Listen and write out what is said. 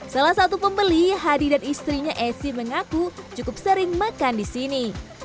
salah satu pembeli hadi dan istrinya esi mengaku cukup sering makan di sini